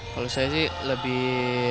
kalau saya sih lebih